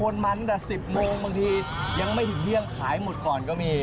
ยังไม่ถึงเรื่องขายหมดก่อนก็มี